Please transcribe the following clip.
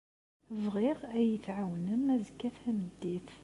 Bɣiɣ ad iyi-tɛawnem azekka tameddit.